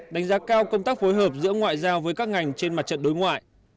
đánh giá cao công tác phối hợp giữa ngoại giao với các ngành trên mặt trận đối ngoại